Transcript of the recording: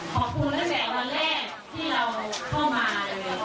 ตั้งแต่วันแรกที่เราเข้ามาเลย